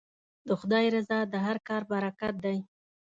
د خدای رضا د هر کار برکت دی.